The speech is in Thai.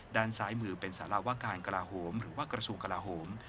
ด้านซ้ายมือเป็นสารวการกระลาโหมหรือว่ากระทรวงกลาโหม